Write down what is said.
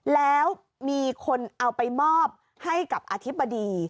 แล้วมีคนเอาไปมอบให้กับอธิบดี